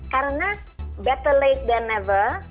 karena lebih lama dari tidak